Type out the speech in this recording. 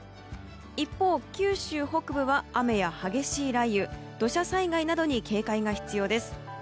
一方、九州北部は雨や激しい雷雨土砂災害などに警戒が必要です。